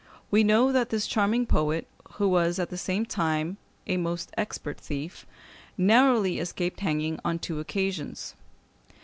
We know that this charming poet, who was at the same time a most expert thief, narrowly escaped hanging on two occasions.